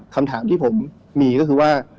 คำถามที่ผมมีก็คือว่า